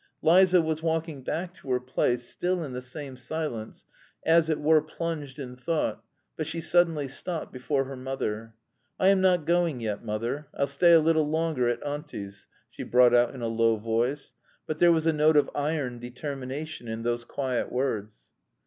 Liza was walking back to her place, still in the same silence, as it were plunged in thought, but she suddenly stopped before her mother. "I am not going yet, mother. I'll stay a little longer at auntie's," she brought out in a low voice, but there was a note of iron determination in those quiet words.